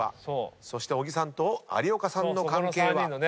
そして小木さんと有岡さんの関係は？